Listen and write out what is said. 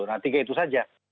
nah tiga itu saja